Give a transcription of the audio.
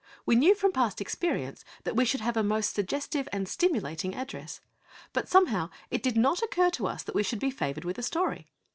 We knew from past experience that we should have a most suggestive and stimulating address. But, somehow, it did not occur to us that we should be favoured with a story.